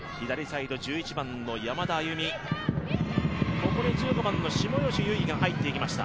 ここで１５番の下吉優衣が入ってきました。